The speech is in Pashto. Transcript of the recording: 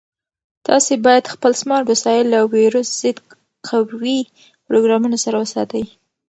تاسو باید خپل سمارټ وسایل له ویروس ضد قوي پروګرامونو سره وساتئ.